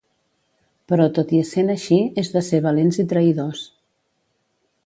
Però tot i essent així és de ser valents i traïdors.